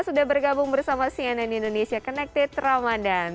sudah bergabung bersama cnn indonesia connected ramadhan